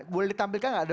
boleh ditampilkan nggak